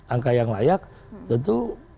angka yang layak tentu